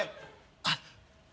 あっ。